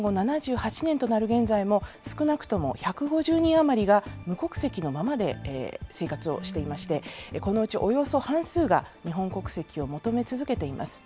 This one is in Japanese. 戦後７８年となる現在も、少なくとも１５０人余りが無国籍のままで生活をしていまして、このうちおよそ半数が、日本国籍を求め続けています。